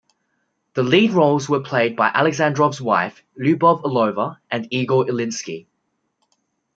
The lead roles were played by Alexandrov's wife, Lyubov Orlova, and Igor Ilyinsky.